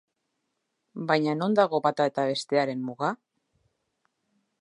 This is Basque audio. Baina non dago bata eta bestearen muga?